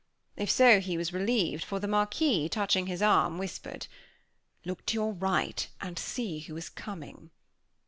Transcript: If so, he was relieved; for the Marquis, touching his arms, whispered. "Look to your right, and see who is coming."